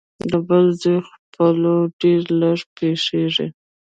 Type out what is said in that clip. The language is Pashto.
د بل زوی خپلول ډېر لږ پېښېږي